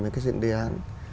về cái sự đề án